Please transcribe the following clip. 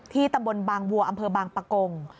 ตำบลบางวัวอำเภอบางปะกง